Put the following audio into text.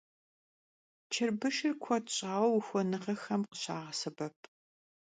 Çırbışşır kued ş'aue vuxuenığexem khışağesebep.